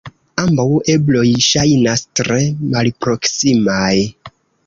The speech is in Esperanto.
Ambaŭ ebloj ŝajnas tre malproksimaj.